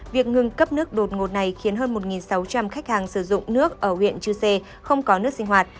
việc ngừng cấp nước đột ngột này khiến hơn một sáu trăm linh khách hàng sử dụng nước ở huyện chư sê không có nước sinh hoạt